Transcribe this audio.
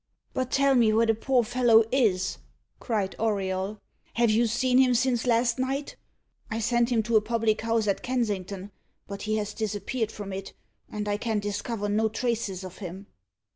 "But tell me where the poor fellow is?" cried Auriol. "Have you seen him since last night? I sent him to a public house at Kensington, but he has disappeared from it, and I can discover no traces of him."